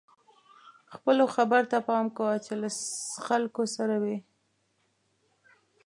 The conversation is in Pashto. خپلو خبرو ته پام کوه چې له خلکو سره وئ.